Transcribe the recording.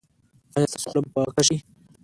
ایا ستاسو خوله به پاکه شي؟